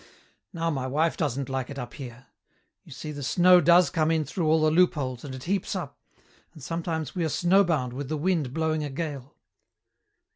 Now my wife doesn't like it up here. You see, the snow does come in through all the loopholes and it heaps up, and sometimes we are snowbound with the wind blowing a gale."